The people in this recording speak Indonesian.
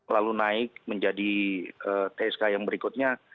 lalu naik menjadi tsk yang berikutnya